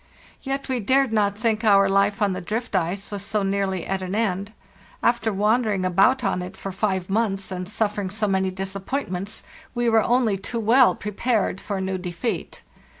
Yet we dared not think our life on the drift ice was so nearly at an end. After wandering about on it for five months and suffering so many disappointments, we were only too well prepared for a new defeat.